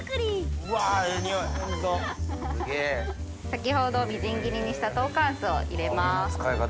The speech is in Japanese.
先ほどみじん切りにしたトーカンスーを入れます。